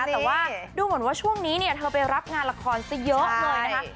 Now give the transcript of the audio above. แต่ว่าดูเหมือนว่าช่วงนี้เธอไปรับงานละครซะเยอะเลยนะคะ